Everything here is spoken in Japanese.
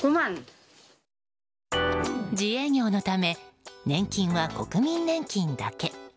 自営業のため年金は国民年金だけ。